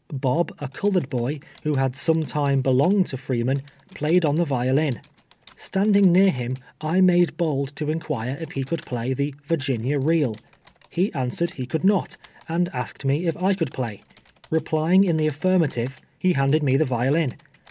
Bo]), a colored boy, who had some time belonged to Freeman, played on the violin. Standing near him, I made bold to in cpiire if lie could play the " Virginia Reel." lie an swered he could not, and asked me if I could play. Replying in the affirnuitive, he handed me the violin.